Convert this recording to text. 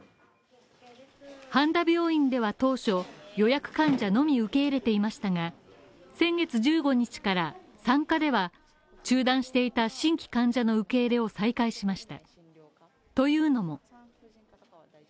半田病院では当初予約患者のみ受け入れていましたが、先月１５日から産科では、中断していた新規患者の受け入れを再開しました